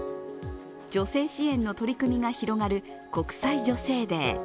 女性支援の取り組みが広がる国際女性デー。